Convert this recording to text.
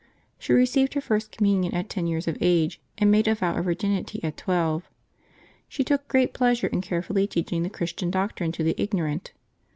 She received her first Com munion at ten years of age, and made a vow of virginity at twelve. She took great pleasure in carefully teaching the Christian doctrine to the ignorant.